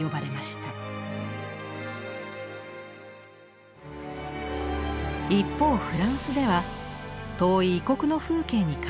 一方フランスでは遠い異国の風景に関心が高まっていました。